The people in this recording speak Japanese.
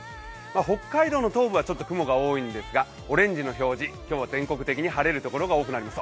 北海道の東部はちょっと雲が多いんですがオレンジの表示、今日は全国的に晴れる所が多いです。